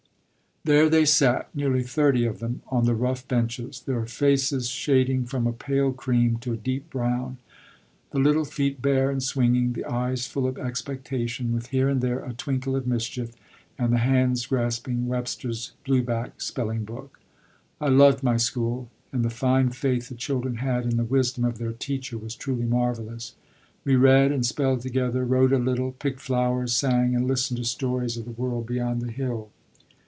There they sat, nearly thirty of them, on the rough benches, their faces shading from a pale cream to a deep brown, the little feet bare and swinging, the eyes full of expectation, with here and there a twinkle of mischief, and the hands grasping Webster's blue back spelling book. I loved my school, and the fine faith the children had in the wisdom of their teacher was truly marvelous. We read and spelled together, wrote a little, picked flowers, sang, and listened to stories of the world beyond the hill.